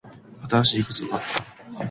新しい靴を買った。